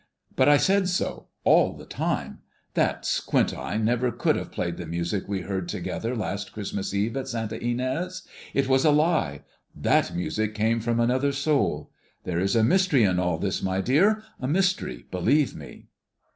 But I said so all the time. That squint eye never could have played the music we heard together last Christmas Eve at Santa Inés. It was a lie! That music came from another soul. There is a mystery in all this, my dear, a mystery, believe me."